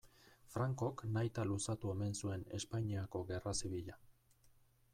Francok nahita luzatu omen zuen Espainiako gerra zibila.